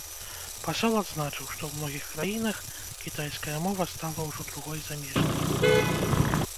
Пасол адзначыў, што ў многіх краінах кітайская мова стала ўжо другой замежнай.